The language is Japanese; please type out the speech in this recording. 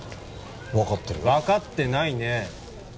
分かってるよ分かってないね！